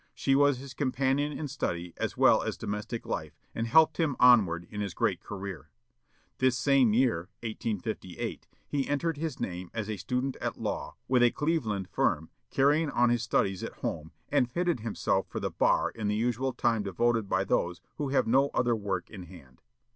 She was his companion in study, as well as domestic life, and helped him onward in his great career. This same year, 1858, he entered his name as a student at law, with a Cleveland firm, carrying on his studies at home, and fitted himself for the bar in the usual time devoted by those who have no other work in hand.